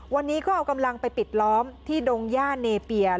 วันนี้ก็เอากำลังไปปิดล้อมที่ดงย่าเนเปีย